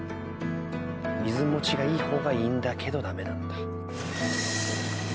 水持ちがいい方がいいんだけどダメなんだ。